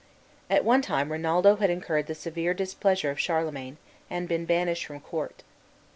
At one time Rinaldo had incurred the severe displeasure of Charlemagne, and been banished from court.